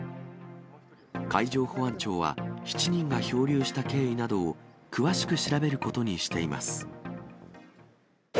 海上保安庁は、７人が漂流した経緯などを詳しく調べることにしています。